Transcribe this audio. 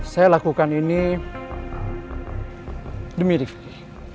saya lakukan ini demi rifki